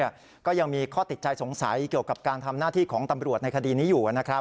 ก็ยังมีข้อติดใจสงสัยเกี่ยวกับการทำหน้าที่ของตำรวจในคดีนี้อยู่นะครับ